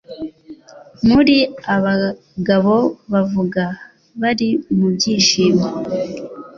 Muri Abagabo Bavuga bari mu byishimo